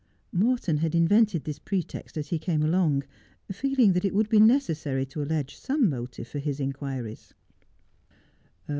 Morton had invented this pretext as he came along, feeling that it would be necessary to allege some motive for his inquiries.